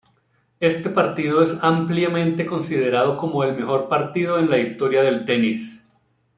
Este partido es ampliamente considerado como el mejor partido en la historia del tenis.